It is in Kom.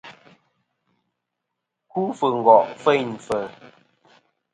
Ku fɨ ngo' feyn fɨ̀.